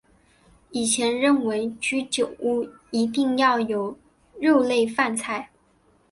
以前认为居酒屋一定要有肉类饭菜。